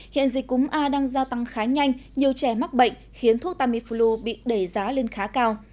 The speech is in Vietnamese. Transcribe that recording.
hiện dịch cúm a đang gia tăng khá nhanh nhiều trẻ mắc bệnh khiến thuốc tamiflu bị đẩy giá lên khá cao